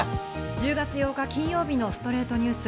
１０月８日、金曜日の『ストレイトニュース』。